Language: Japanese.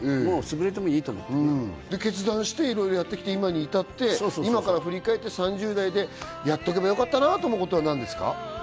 もうつぶれてもいいと思ってね決断していろいろやってきて今に至って今から振り返って３０代でやっておけばよかったなと思うことは何ですか？